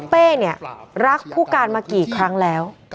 เป้เนี่ยรักผู้การมากี่ครั้งแล้ว